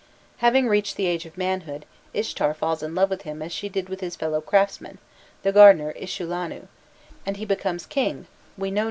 Having reached the age of manhood, Ishtar falls in love with him as she did with his fellow craftsman, the gardener Ishullanu, and he becomes king, we know not by what means.